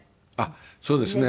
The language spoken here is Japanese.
そうですね。